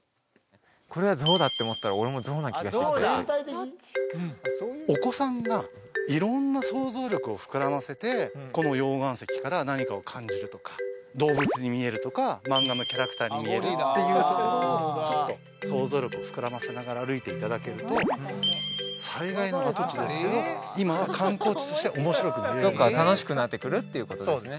これはゾウだって思ったら俺もゾウな気がしてきたお子さんが色んな想像力を膨らませてこの溶岩石から何かを感じるとか動物に見えるとか漫画のキャラクターに見えるっていうところをちょっと想像力を膨らませながら歩いていただけると災害の跡地ですけど今は観光地として面白く見れるそうか楽しくなってくるっていうことですね